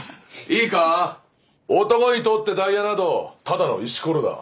いいか男にとってダイヤなどただの石ころだ。